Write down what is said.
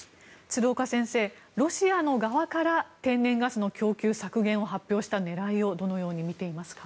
鶴岡先生、ロシアの側から天然ガスの供給削減を発表した狙いをどのように見ていますか？